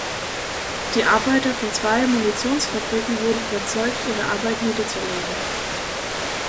Die Arbeiter von zwei Munitionsfabriken wurden überzeugt, ihre Arbeit niederzulegen.